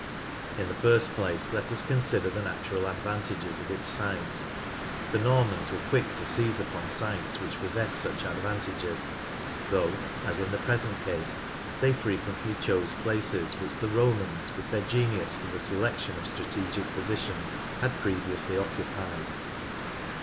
In the first place let us consider the natural advantages of its site. The Normans were quick to seize upon sites which possessed such advantages, though, as in the present case, they frequently chose places which the Romans, with their genius for the selection of strategic positions, had previously occupied.